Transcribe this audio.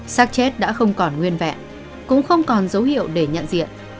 sát chết đã không còn nguyên vẹn cũng không còn dấu hiệu để nhận diện